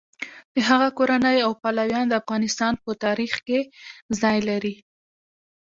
د هغه کورنۍ او پلویان د افغانستان په تاریخ کې ځای لري.